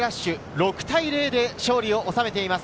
６対０で勝利を収めています。